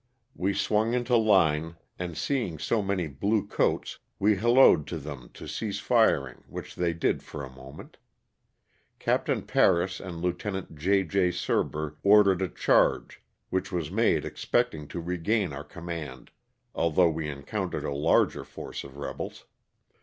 We swung into line and seeing so many blue coats we hallooed to them to cease firing which they did for a moment. Capt. Paris and Lieut. J. J. Surber ordered a charge, which was made expecting to regain our command although we encountered a larger force of rebels.